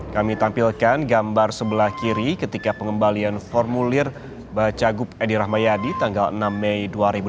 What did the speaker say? kami tampilkan gambar sebelah kiri ketika pengembalian formulir bacagup edi rahmayadi tanggal enam mei dua ribu delapan belas